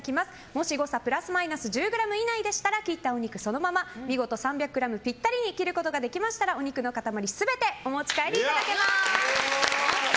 もし誤差プラスマイナス１０ｇ以内でしたら切ったお肉そのまま見事３００ｇぴったりに切ることができましたらお肉の塊全てお持ち帰りいただけます。